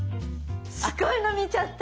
すごいの見ちゃった！